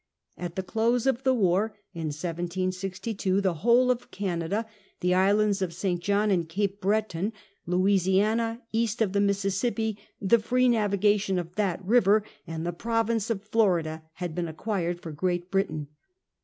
At the close of the war in 17C2, the whole of Canada, the islands of St. John and Cape Breton, Louisiana east of the Mississippi, the free navigation of that river, and the province of Florida, had been acquired for Great Britain.